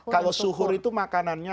kalau suhur itu makanannya